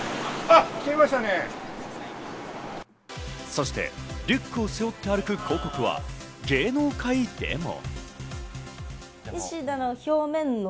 そしてリュックを背負って歩く広告は芸能界でも。